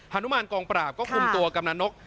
นุมานกองปราบก็คุมตัวกำนันนก